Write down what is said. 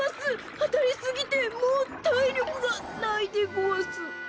あたりすぎてもうたいりょくがないでごわす。